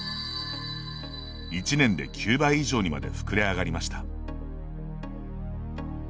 １年で９倍以上にまで膨れ上がりました。